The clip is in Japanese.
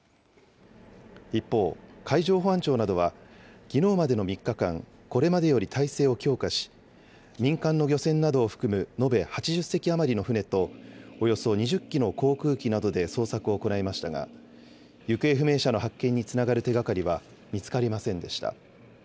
一方、海上保安庁などは、きのうまでの３日間、これまでより態勢を強化し、民間の漁船などを含む延べ８０隻余りの船と、およそ２０機の航空機などで捜索を行いましたが、行方不明者の発見につながる手がかりは見つかりませんでした。